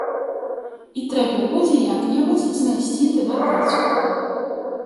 І трэба будзе як-небудзь знайсці табе працу.